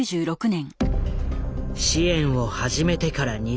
支援を始めてから２年後。